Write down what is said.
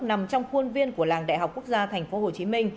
nằm trong khuôn viên của làng đại học quốc gia tp hcm